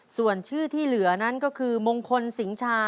ส่วนชื่อที่เหลือนั้นก็คือมงคลสิงชา